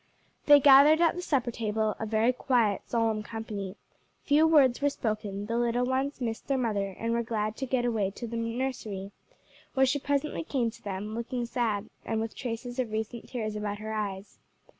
They gathered at the supper table a very quiet, solemn company; few words were spoken; the little ones missed their mother and were glad to get away to the nursery, where she presently came to them, looking sad and with traces of recent tears about her eyes.